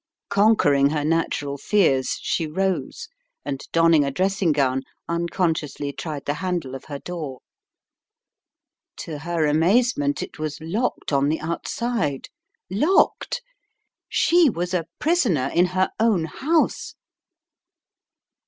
Conquering her natural fears she rose, and donning a dressing gown, unconsciously tried the handle of her door. To her amazement it was locked on the outside, locked 1 She was a prisoner in her own house!